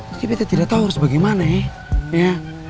jadi bete tidak tahu harus bagaimana ya